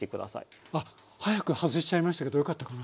あっ早く外しちゃいましたけどよかったかな？